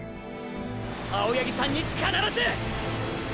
青八木さんに必ず！！